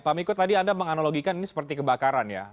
pak miko tadi anda menganalogikan ini seperti kebakaran ya